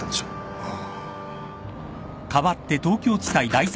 ああ。